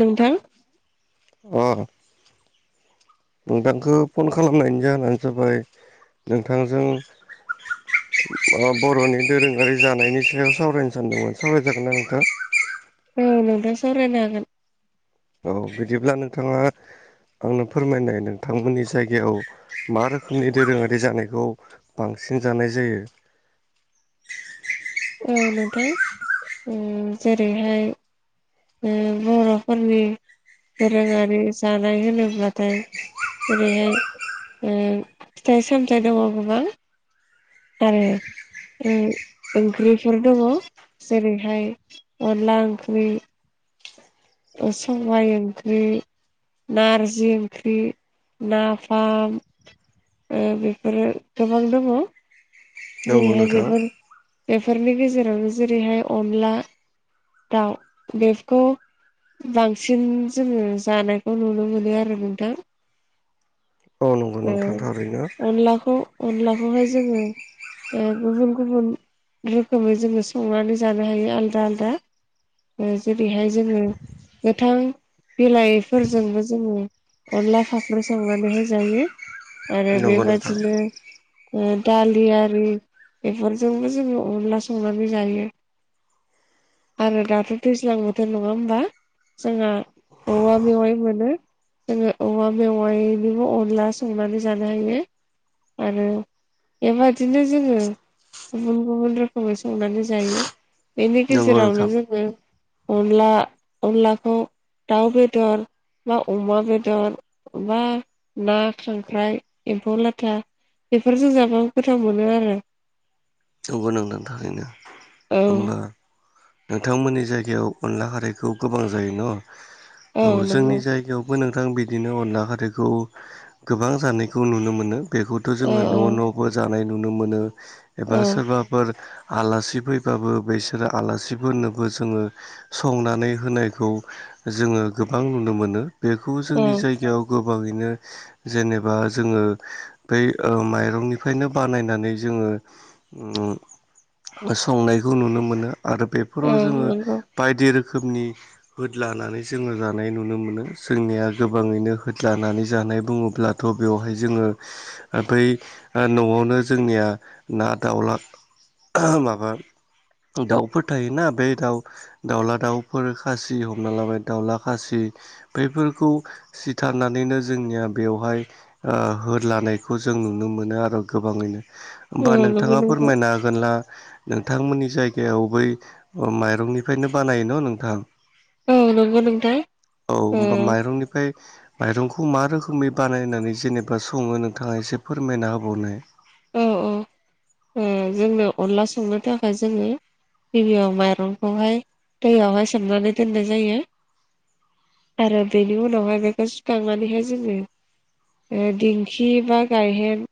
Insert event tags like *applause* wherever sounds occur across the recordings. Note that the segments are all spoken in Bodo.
नोंथां औ नोंथांखौ फन खालामनायनि जाहोनानो जाबाय नोंथांजों बर'नि दोरोङारि जानायनि सायाव सावरायनो सानदोंमोन सावरायजागोनना नोंथां? औ नोंथा सावरायनो हागोन। औ बिदिब्ला नोंथाङा आंनो फोरमायनाय नोंथांमोननि जायगायाव मा रोखोमनि दोरोङारि जानायखौ बांसिन जानाय जायो। औ नोंथां ओ जेरैहाय ओ बर'फोरनि दोरोङारि जानाय होनोब्लाथाय ओेरैहाय उम फिथाइ सामथाइ दङ गोबां आरो ओंख्रिफोर दङ जेरैहाय अनला ओंख्रि सबाय ओंख्रि, नारजि ओंख्रि, नाफाम, बेफोरो गोबां दङ'। नंगौ जेरैहाय नोंथां बेफोर बेफोरनि गेजेरावनो जेरैहाय अनला दाउ बेखौ बांसिन जोङो जानायखौ नुनो मोनो आरो नोंथां। नंगौ औ नोंथां थारैनो अनलाखौ अनलाखौहाय जोङो ओ गुबुन गुबुन रोखोमै जोङो संनानै जानो हायो आलदा आलदा ओ जेरैहाय जोङो गोथां बिलाइफोरजोंबो जोङो अनला फाख्रि संनानैहाय जायो आरो नंगौ नोंथां बेबादिनो ओ दालि आ रि बेफोरजोंबो जोङो अनला संनानै जायो। आरो दाथ' दैज्लां बोथोर नङा होमबा? जोंहा औवा मेवाइ मोनो औवा औवा मेवाइनिबो अनला संनानै जानो हायो। आरो एबा दिनो जोङो गुबुन गुबुन रोखोमै संनानै जायो। बेनि नंगौ गेजेरावनो नोंथां जोङो अनला अनलाखौ दाउ बेदर बा अमा बेदर बा ना, खांख्राइ, एम्फौ लाथा बेफोरजों जाब्ला गोथाव मोनो आरो। ओं थारैनो। औ होमबा नोंथांमोननि जायगायाव अनला खारैखौ गोबां जायो न? औ जोंनि जायगायाव बो नोंथां बिदिनो अनला खारैखौ गोबां जानायखौ नुनो मोनो। बेखौथ' औ जोङो न' औ न'बो जानाय नुनो मोनो एबा औ सोरबा फोर आलासि फैबाबो बिसोरो आलासि फोरनोबो जोङो संनानै होनायखौ जोङो गोबां नुनो मोनो। बेखौ औ जोंनि जायगायाव गोबाङैनो जेनेबा जोङो बै ओ माइरंनिफ्रायनो बानायनानै जोङो उम संनायखौ नुनो मोनो आरो औ बेफोराव जोङो नंगौ बायदि रोखोमनि होदलानानै जोङो जानाय नुनो मोनो जोंनिया गोबाङैनो होदलानानै जानाय बुङोब्ला थ' बेवहाय जोङो बै ओ न'आवनो जोंनिया ना, दाउला माबा दाउफोर फथायोना बे दाउ दाउला दाउफोर खासि हमना लाबाय दाउला खासि बैफोरखौ सिथारनानैनो जोंनिया बेवहाय हो लानायखौ जों नुनो मोनो आरो गोबाङैनो होमबा औ नंगौ नोंथाङा नोंथां फोरमायनो हागोनब्ला नोंथांमोननि जायगायाव बै अ माइरंनिफ्रायनो बानाय न' नोंथां औ नंगौ नोंथां औ ओ होनबा माइरंनिफ्राय माइरंखौ मा रोखोमै बानायनानै जेनेबा सङो नोंथाङा एसे फोरमायना होबावनाय औ औ जोंनो अनला संनो थाखाय जोङो गिबियाव माइरंखौहाय दैयावहाय सोमनानै दोननाय जायो आरो बेनि उनावहाय बेखौ सिखांनानैहाय जोङो दिंखि बा गायहेन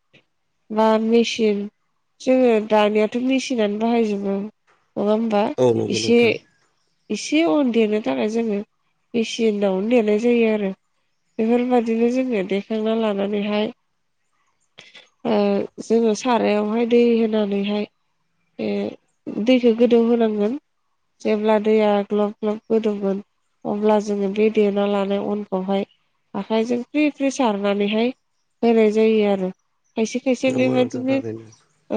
बा मेसिन जोङो दानियाथ' मेसिनानो बाहायजोबो नङा होमबा औ नंगौ इसे नोंथां एसे अन देरनो थाखाय जोङो मेसिनावनो देरनाय जायो आरो बेफोरबायदिनो जोङो देखांना लानानैहाय जोङो सारायावहाय दै होनानैहाय बे दैखौ गोदौहांगोन जेब्ला दैया ग्लब ग्लब होदोंमोन अब्ला जोङो बे देना लानाय उनखौहाय आखाइजों फ्रि फ्रि सारनानैहाय होनाय जायो आरो खायसे खायसे नंगौ नोंथां बेबदिनो थारैनो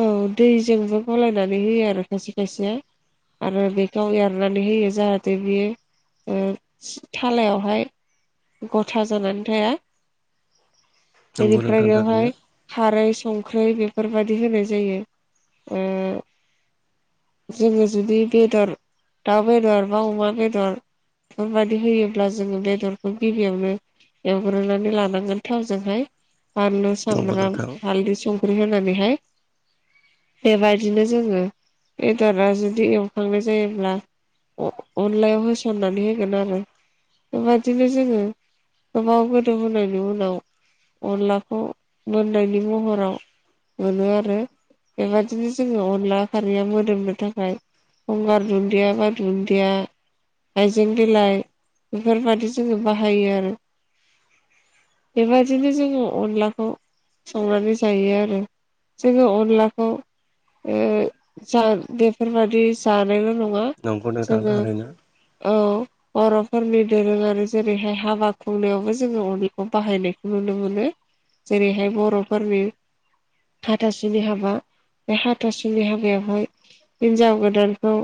औ दैजोंबो गलायनानै होयो आरो खायसे खायसेया आरो बेखौ एरनानै होयो जाहाथे बियो थालायावहाय गथा जानानै थाया नंगौ बिदिफ्राय नोंथां थारैनो गाहाय खारै संख्रि बेफोरबायदि होनाय जायो जोङो जुदि बेदर दाउ बेदर बा अमा बेदर बेफोरबायदि होयोब्ला जोङो बेदरखौ गिबियावनो एवग्रोनानै लानांगोन थावजोंहाय फानलु नंगौ सामब्राम नोंथां स्रि संख्रि होनानैहाय बेबायदिनो जोङो बेदरा जुदि एवखांनाय जायोब्ला अनलायाव होसननानै होगोन आरो बेबायदिनो जोङो गोबाव गोदौ बोनायनि उनाव अनलाखौ बिनि महराव मोनो आरो बेबादिनो जोङो अनला फारिया मोदोमनो थाखाय गंगार दुन्दिया बा दुन्दिया हइजें बिलाइ बेफोरबादि जोङो बाहायो आरो बेबायदिनो जोङो अनलाखौ संनानै जायो आरो जोङो अनलाखौ जा बेफोरबादि जानायल' नङा नंगौ नोंथां जोङो थारैनो औ बर'फोरनि दोरोङारि जेरैहाय हाबा खुंनायावबो जोङो अनेगखौ बाहायनायखौ नुनो मोनो जेरैहाय बर'फोरनि हाथा सिनि हाबा बे हाथासिनि हाबायावहाय हिनजाव गोदानखौ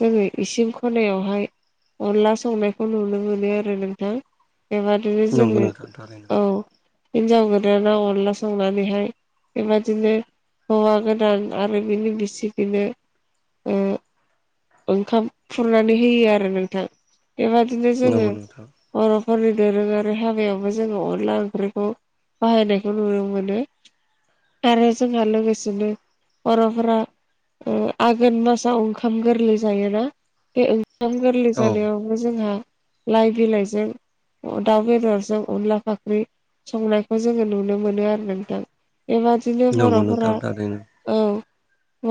जोङो इसिं खनायावहाय अनला संनायखौ नुनो मोनो आरो नोंथां एबादनो नंगौ जोङो नोंथां थारैनो औ हिनजाव गो दाना अनदला संनानैहाय बेबदिनो हौवा गोदान आरो बिनि बिसिफिनो *inaudible* ओंखाम खुरनानै होयो आरो नोंथां। बेबादिनो जोङो नंगौ नोंथां बर'फोरनि दोरोङारि हाबायावबो जोङो अनला ओंख्रिखौ बाहायनायखौ नुनो मोनो आरो जोंहा लोगोसेनो बर'फोरा आघोन मासाव ओंखाम गोरलै जायोना बे ओंखाम गोरलै औ जानायाव आरो जोंहा लाइ बिलाइजों दाउ बेदरजों अनला फाख्रि संनाय खौ जोङो नुनो मोनो आरो नोंथां बेबादिनो नंगौ बर'फोरा नोंथां थारैनो औ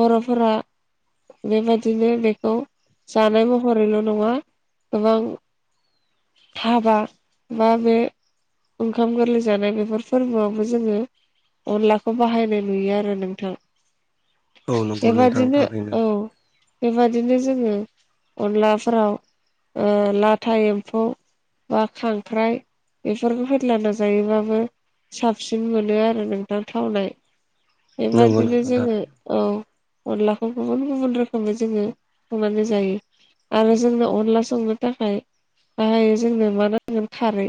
बर'फोरा बेबादिनो बेखौ जानाय महरैल' नङा गोबां हाबा बा बे ओंखाम गोरलै जानाय बे बेफोर फोरबोआवबो जोङो अनलाखौ बाहायनाय नुयो आरो नोंथां। औ नंगौ नोंथां बेबादिनो थारैनो औ। बेबदििनो जोङो अनलाफोराव लाथा एम्फौ बा खांख्राइ बेफोरखौ होद्लान जायोबाबो साबसिन मोनो आरो नोंथां थावनाय नंगौ बेबादिनो नोंथां जोङो थारैनो औ अनलाखौ गुबुन गुबुन रोखोमै जोङो हानो जायो आरो जोंनो अनला संनो थाखाय दाहाय जोंनो मा नांगोन खारै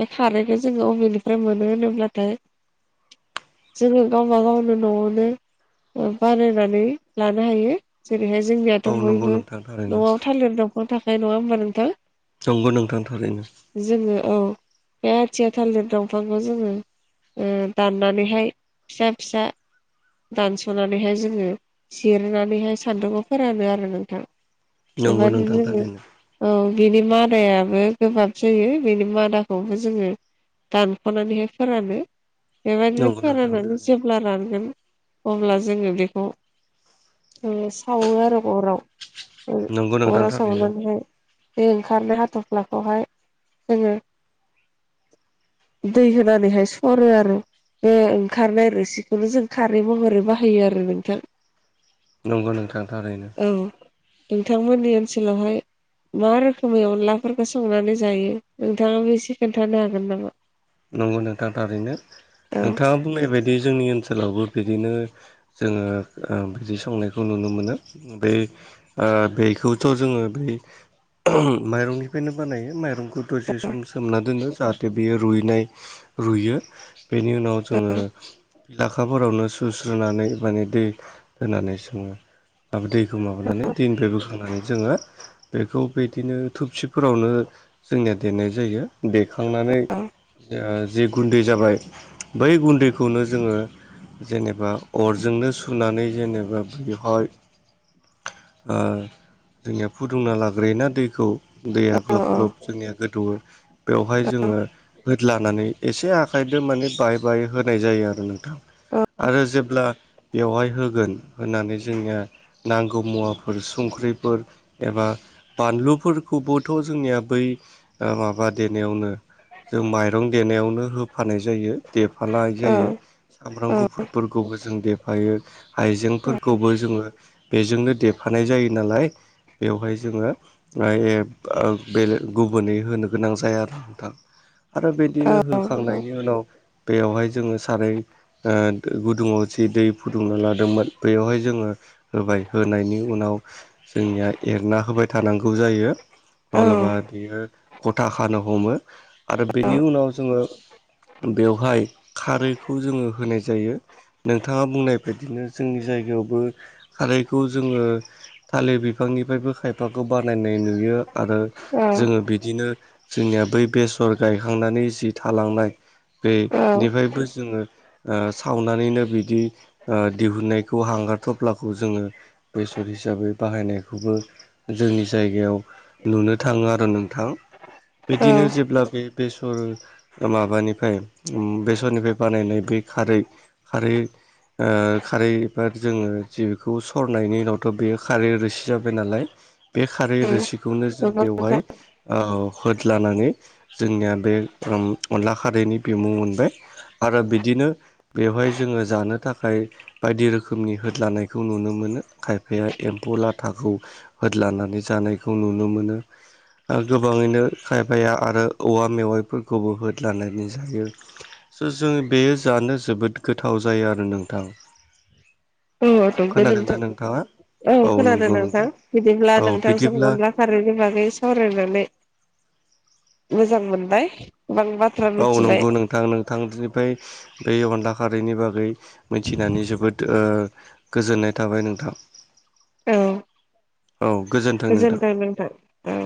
बे खारैखौ जोङो अबेनिफ्राय मोन मोन होनोब्लाथाय जोङो गावबागावनो न'आवनो बानायनानै लानो हायो जेरैहाय जोंनियाथ' औ नंगौ बयबो नोंथां थारैनो न'आव थालिर दं अ थाखाय नङा होनोमबा नोंथां नंगौ नोंथां थारैनो जोङो औ बे आथिया थालिर दंफां जोङो दाननानैहाय फिसा फिसा दानस'नानैहाय जोङो जिरनानैहाय सान्दुंखौ फोरानो आरो नोंथां *inaudible* नंगौ नोंथां थारैनो औ बिनि मादायाबो गोबाब जायो बेनि मादाखौबो जोङो दान हख'नानैहाय फोरानो बेबायदिनो नंगौ नोंथां फोराननानै जे थारैनो खला रारगोन अब्ला जोङो बेखौ सावो आरो अराव नंगौ नोंथां अराव थारैनो सावनानैहाय बे ओंखारनो हाथ'फ्लाखौहाय जोङो दै होनानैहाय सरो आरो। ओंखारनाय आरो सिखौनो जों खारै महरै बाहायो आरो नोंथां। नंगौ नों थांथार ओरैनो औ नोंथांमोननि ओनसोलावहाय मा रोखोमै अनलाफोरखौ संनानै जायो नोंथाङाबो एसे खोन्थानो हागोन नामा नंगौ नोंथा थारैनो औ नोंथाङा बुंनाय बदि जोंनि ओनसोलावबो बिदिनो जोङो बिदि संनायखौ नुनो मोनो बे बेखौथ' जोङो बै माइरंनिफ्रायनो बानायो माइरंखौ दसे सम सोमना दोनो जाहाथे बेयो रुइनाय रुयो बेनि उनाव जोङो लाखाफोरावनो सुस्रोननानै माने दै होनानै सोङो दैखौ माबानानै दैनिफ्रायबोोखांनै जोङो बेखौ बिदिनो थुबसिफोरावनो जोंनिया देनाय जायो देखांनानै औ जिे गुन्दै जाबाय बै गुन्दैखौनो जोङो जेनेबा अरजोंनो सुनानै जेनेबा बेवहाय *inaudible* जोंनिया फुदुंना लाग्रोयोना दैखौ दैया औ ग्लब ग्लब जोंनिया गोदौवो बेवहाय जोङो होद लानानै एसे आखाइजों माने बाय बाय होनाय जायो आरो नोंथां। आरो जेब्ला बेवहाय होगोन होनानै जोंनिया नांगौ मुवाफोर संख्रिफोर एबा बानलुफोरखौबोथ' जोंनिया बै माबा देनायावनो जों माइरं देनायावनो होफानाय जायो देफानाय औ जायो। सामब्राम औ गुफुरफोरखौबो जों देफायो हाइजेंफोरखौबो जोङो बेजोंनो देरफानाय जायो नालाय बेवहाय जोङो ए बेले गुबुनै होनो गोनां जाया आरो नोंथां आरो बिदिनो औ होखांनायनि उनाव बेयावहाय जोङो सारै ओ गुदुङाव जि दै फुदुंना लादोंमोन बेयावहाय जोङो होबाय होनायनि उनाव जोंनिया एरना होबाय थानांगौ जायो माब्लाबा बियो गथा खानो हमो आरो बेनि उनाव जोङो बेवहाय खारैखौ जोङो होनाय जायो नोंथाङा बुंनाय बायदिनो जोंनि जायगायावबो खारैखौ जोङो थालिर बिफांनिफ्रायबो खायफाखौ बानायनाय नुयो आरो जोङो बिदिनो जोंनिया बै बेसर गायखांनानै जि थालांनाय बे औ निफ्रायबो जोङो ओ सावनानैनो बिदि दिहुननायखौ ओ हांगारथ्लाखौ जोङो बेसर हिसाबै बाहायनायखौबो जोंनि जायगायाव नुनो थाङो आरो नोंथां औ औ बिदिनो जेब्ला बे बेसर माबानिफ्राय बेसरनिफ्राय बानायनाय बे खारै आरो ओ खारै एबा जोङो जिखौ सरनायनि उनावथ बेयो खारै रोसि जाबाय नालाय बे खारै रोसिखौनो जों नंगौ बेवहाय नोंथां ओ होदलानानै जोंनिया बे अनला खारैनि बिमुं मोनबाय आरो बिदिनो बेवहाय जोङो जानो थाखाय बायदि रोखोमनि होद लानायखौ नुनो मोनो खायफाया एम्फौ लाथाखौ होद लानानै जानायखौ नुनो मोनो आरो गोबाङैनो खायफाया आरो औवा मेवाइफोरखौबो होद लानानै जायो स जों बेयो जानो जोबोद गोथाव जायो आरो नोंथां औ दंबो खोनादोंना नोंथां नोंथाङा औ खोनादों नोंथां बिदिब्ला औ नोंथांजों बिदिब्ला अनला खारैनि बागै सावरायनानै मोजां मोनबाय *unintelligible* औ नंगौ नोंथां नोंथांनिफ्राय बे अनला खारैनि बागै मिथिनानै जोबोद ओ गोजोननाय थाबाय नोंथां औ गोजोन गोजोन्थों नोंथां औ